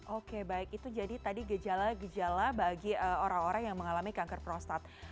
oke baik itu jadi tadi gejala gejala bagi orang orang yang mengalami kanker prostat